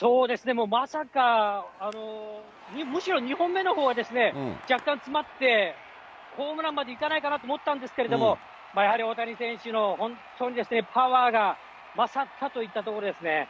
もうまさか、むしろ２本目のほうはですね、若干詰まって、ホームランまでいかないかなと思ったんですけど、まあやはり大谷選手の本当にパワーが、勝ったといったところですね。